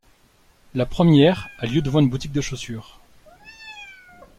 La première a lieu devant une boutique de chaussures.